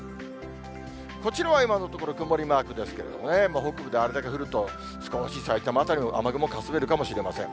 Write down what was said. こちらは今のところ曇りマークですけれどもね、北部であれだけ降ると、少しさいたま辺りも雨雲かすめるかもしれません。